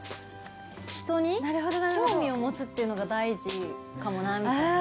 人に興味を持つっていうのが大事かもなみたいな。